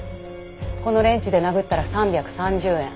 このレンチで殴ったら３３０円。